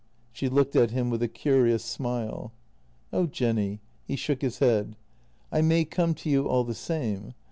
" She looked at him with a curious smile. " Oh, Jenny! " He shook his head. " I may come to you, all the same.